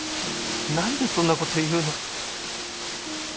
なんでそんなこと言うの？